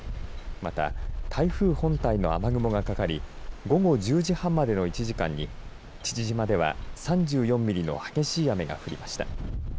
また、台風本体の雨雲がかかり午後１０時半までの１時間に父島では３４ミリの激しい雨が降りました。